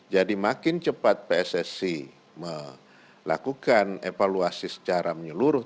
jadi makin cepat pssc melakukan evaluasi secara menyeluruh